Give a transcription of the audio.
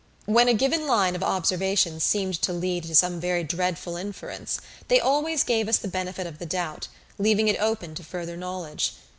When a given line of observation seemed to lead to some very dreadful inference they always gave us the benefit of the doubt, leaving it open to further knowledge.